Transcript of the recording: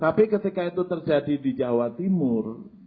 tapi ketika itu terjadi di jawa timur